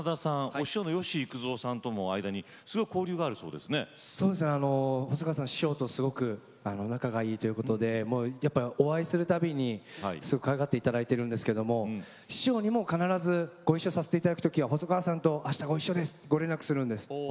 お師匠の吉幾三さんとの間に細川さんは師匠とすごく仲がいいということでお会いするたびにかわいがっていただいているんですけど師匠にも必ずごいっしょさせていただくときは細川さんとあしたごいっしょですと連絡するんです